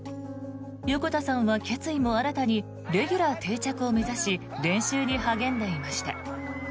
横田さんは決意も新たにレギュラー定着を目指し練習に励んでいました。